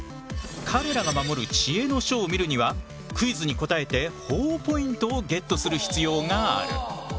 彼らが守る知恵の書を見るにはクイズに答えてほぉポイントをゲットする必要がある。